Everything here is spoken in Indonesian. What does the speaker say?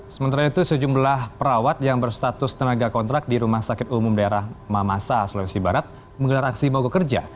sementara itu sejumlah perawat yang berstatus tenaga kontrak di rumah sakit umum daerah mamasa sulawesi barat menggelar aksi mogok kerja